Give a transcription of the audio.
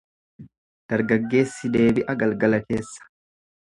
Dargaggeessi deebi'a galgala keessa.